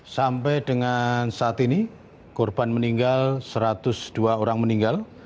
sampai dengan saat ini korban meninggal satu ratus dua orang meninggal